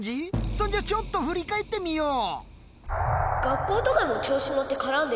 そんじゃちょっと振り返ってみよう。